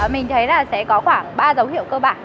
mình thấy là sẽ có khoảng ba dấu hiệu cơ bản